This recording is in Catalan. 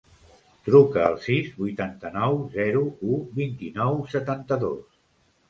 Truca al sis, vuitanta-nou, zero, u, vint-i-nou, setanta-dos.